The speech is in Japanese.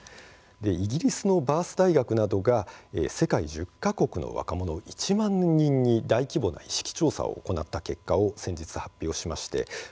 イギリスのバース大学などが世界１０か国の若者、１万人に大規模な意識調査を行った結果を先日、発表しました。